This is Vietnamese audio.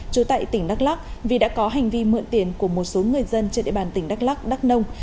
trú tại tỉnh đắk lắc vì đã có hành vi mượn tiền của một số người dân trên địa bàn tỉnh đắk lắc đắk nông